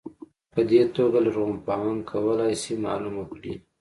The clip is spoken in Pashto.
په دې توګه لرغونپوهان کولای شي معلومه کړي.